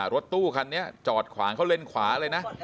รถตู้คันนี้จอดขวางเขาเล่นขวาเลยนะ